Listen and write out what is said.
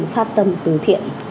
phát tâm từ thiện